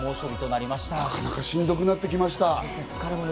なかなかしんどくなってきました。